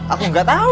aku gak tau